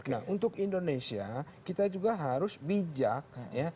nah untuk indonesia kita juga harus bijak